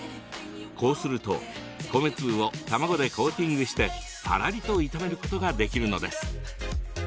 こうすると米粒を卵でコーティングして、パラリと炒めることができるのです。